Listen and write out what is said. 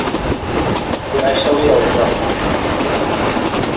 Conèixer-li el joc.